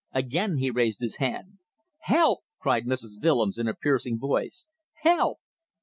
Again he raised his hand. "Help!" called Mrs. Willems, in a piercing voice. "Help!"